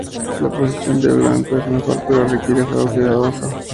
La posición del blanco es mejor, pero requiere un juego cuidadoso.